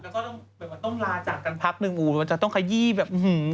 แล้วก็ว่าต้องลาจัดกันภักดิ์นึงอู่ไม่ว่าจะต้องขยี้แบบอืมคุณแม่